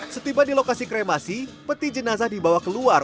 setiba di lokasi kremasi peti jenazah dibawa keluar